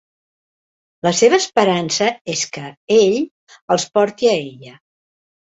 La seva esperança és que ell els porti a ella.